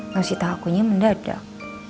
nosita akunya mendadak